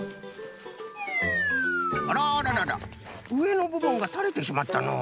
あらあらららうえのぶぶんがたれてしまったのう。